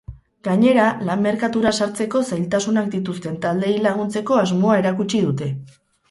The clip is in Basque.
Gainera, lan merkatura sartzeko zailtasunak dituzten taldeei laguntzeko asmoa erakutsi dute.